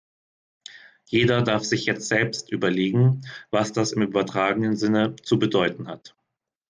Jeder darf sich jetzt selbst überlegen, was das im übertragenen Sinne zu bedeuten hat.